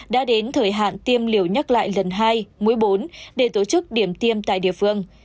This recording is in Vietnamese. đã đến thời hạn tiêm liều nhắc lại lần hai mũi bốn để tổ chức điểm tiêm tại địa phương